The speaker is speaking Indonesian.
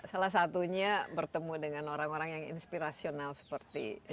salah satunya bertemu dengan orang orang yang inspirasional seperti